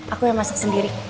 aku yang masak sendiri